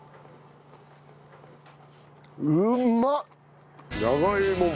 うまっ！